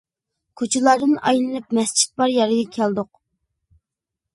كوچىلاردىن ئايلىنىپ مەسچىت بار يەرگە كەلدۇق.